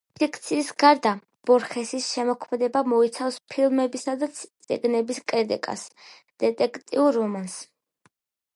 ფიქციის გარდა ბორხესის შემოქმედება მოიცავს ფილმებისა და წიგნების კრიტიკას, დეტექტიურ რომანს.